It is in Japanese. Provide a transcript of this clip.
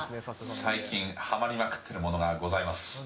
最近、はまりまくっているものがございます。